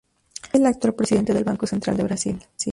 Es el actual presidente del Banco Central de Brasil.